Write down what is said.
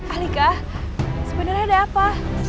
alika sebenarnya ada apa